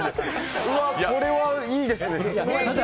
これはいいですね。